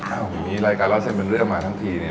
อ้าวมันมีรายการเล่าเสนปันเนื้อเรื่องมาทั้งทีนี่